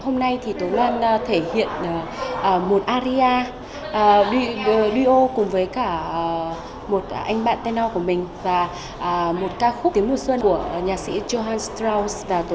hôm nay thì tố loan thể hiện một aria duo cùng với cả một anh bạn tenor của mình và một ca khúc tiếng mùa xuân của nhà sĩ johan strauss